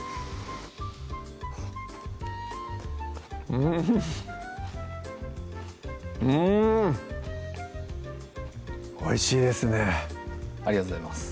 うんうんおいしいですねありがとうございます